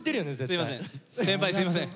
すいません！